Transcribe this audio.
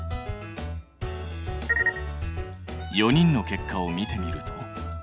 ４人の結果を見てみると。